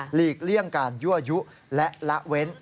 ลีกเลี่ยงการยั่วยุและละเว้น